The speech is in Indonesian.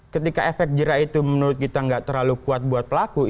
ketika efek jerak itu menurut kita tidak terlalu kuat buat pelaku